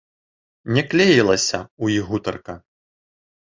Не клеілася ў іх гутарка.